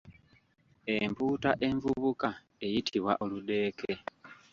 Empuuta envubuka eyitibwa oludeeke.